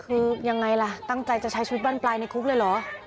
คือยังไงล่ะตั้งใจจะใช้ชีวิตบ้านปลายในคุกเลยเหรอ